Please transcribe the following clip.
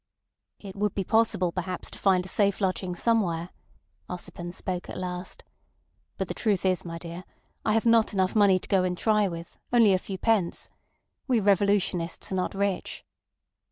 "It would be possible perhaps to find a safe lodging somewhere," Ossipon spoke at last. "But the truth is, my dear, I have not enough money to go and try with—only a few pence. We revolutionists are not rich."